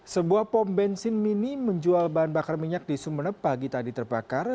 sebuah pom bensin mini menjual bahan bakar minyak di sumeneb pagi tadi terbakar